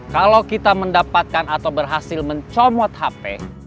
kalau kita mendapatkan atau berhasil mencomot hp